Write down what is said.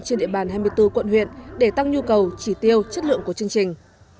trên địa bàn hai mươi bốn quận huyện để tăng nhu cầu chỉ tiêu chất lượng của chương trình